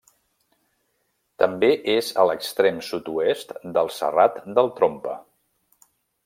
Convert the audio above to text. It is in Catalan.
També és a l'extrem sud-oest del Serrat del Trompa.